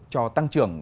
cho tăng trưởng